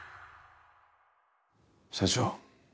社長